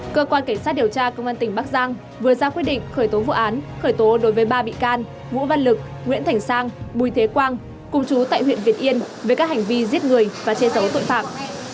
cơ quan cảnh sát điều tra công an tỉnh bắc giang vừa ra quyết định khởi tố vụ án khởi tố đối với ba bị can vũ văn lực nguyễn thành sang bùi thế quang cùng chú tại huyện việt yên về các hành vi giết người và che giấu tội phạm